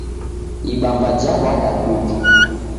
Ibamba jaw'adwa kutu